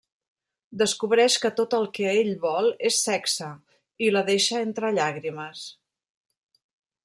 Descobreix que tot el que ell vol és sexe; i la deixa entre llàgrimes.